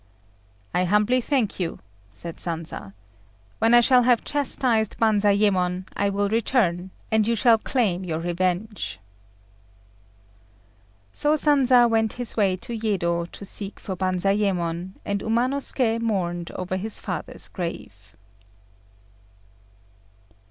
"I humbly thank you," said Sanza. "When I shall have chastised Banzayémon, I will return, and you shall claim your revenge." So Sanza went his way to Yedo to seek for Banzayémon, and Umanosuké mourned over his father's grave.